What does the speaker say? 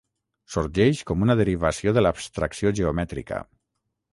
Sorgeix com una derivació de l'abstracció geomètrica.